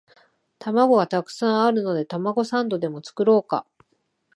玉子がたくさんあるのでたまごサンドでも作ろうか